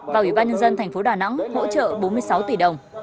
và ủy ban nhân dân thành phố đà nẵng hỗ trợ bốn mươi sáu tỷ đồng